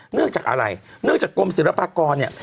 เนื่องจากอะไรเนื่องจากกรมศิลปากรเนี่ย